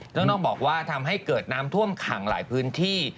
ต้องบอกว่าทำให้เกิดน้ำท่วมขังหลายพื้นที่